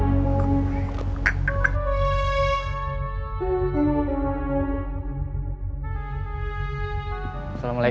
aku sudah berhenti